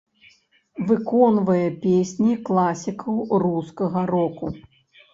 Выконвае песні класікаў рускага року.